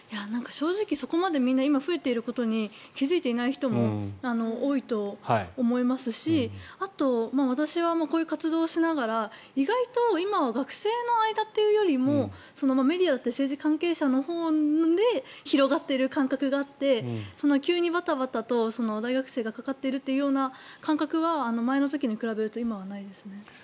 正直、そこまで、みんな増えていることに気付いていない人も多いと思いますしあと私はこういう活動をしながら意外と今、学生の間というよりもメディアだったり政治関係者のほうで広がっている感覚があって急にバタバタと大学生がかかっているというような感覚は前の時と比べると今はないですね。